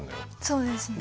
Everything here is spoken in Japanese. そうですね。